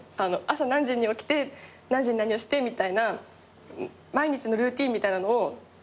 朝何時に起きて何時に何をしてみたいな毎日のルーティンみたいなのを守れないし。